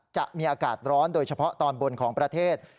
จะมีอากาศร้อนโดยเฉพาะตอนบนของประเทศ